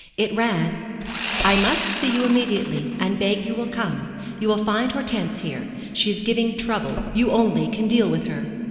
It ran: "I must see you immediately, and beg you will come. You will find Hortense here. She is giving trouble. You only can deal with her.